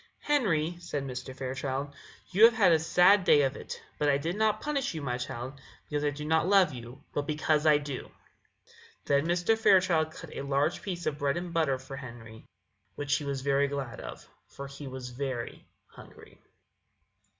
"Henry," said Mr. Fairchild, "you have had a sad day of it; but I did not punish you, my child, because I do not love you, but because I do." Then Mr. Fairchild cut a large piece of bread and butter for Henry, which he was very glad of, for he was very hungry.